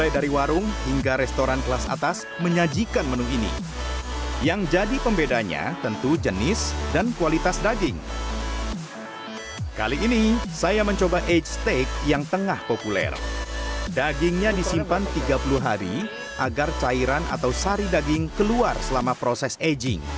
dagingnya disimpan tiga puluh hari agar cairan atau sari daging keluar selama proses aging